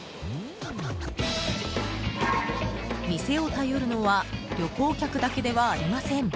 店を頼るのは旅行客だけではありません。